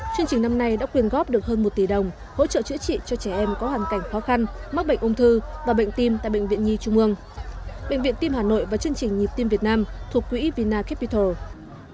chương trình năm nay đã quyền góp được hơn một tỷ đồng hỗ trợ chữa trị cho trẻ em có hoàn cảnh khó khăn mắc bệnh ung thư và bệnh tim tại bệnh viện nhi trung mương bệnh viện tim hà nội và chương trình nhi tiêm việt nam thuộc quỹ vinacapital